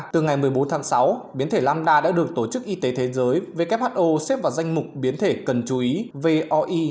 từ ngày một mươi bốn tháng sáu biến thể lamda đã được tổ chức y tế thế giới who xếp vào danh mục biến thể cần chú ý voi